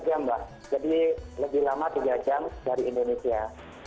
jadi lebih lama tiga jam dari indonesia